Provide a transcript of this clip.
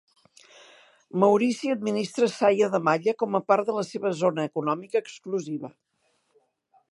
Maurici administra Saia de Malla com a part de la seva zona econòmica exclusiva.